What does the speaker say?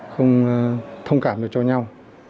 không thông cảm được cho nhau